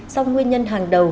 sau nguyên nhân hàng đầu